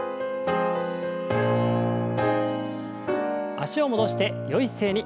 脚を戻してよい姿勢に。